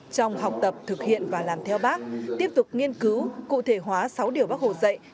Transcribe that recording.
trong học tập thực hiện và làm theo bác tiếp tục nghiên cứu cụ thể hóa sáu điều bác hồ dạy